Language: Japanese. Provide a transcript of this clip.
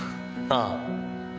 ああ。